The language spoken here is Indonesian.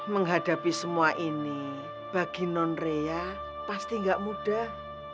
menghadapi semua ini bagi non rea pasti gak mudah